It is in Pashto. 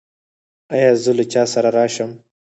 ایا زه له چا سره راشم؟